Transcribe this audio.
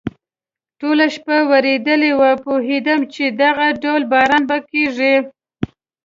ټوله شپه ورېدلی و، پوهېدم چې دغه ډول باران به کېږي.